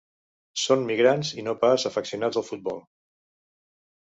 Són migrants i no pas afeccionats al futbol.